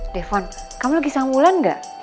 devan kamu lagi sama wulan gak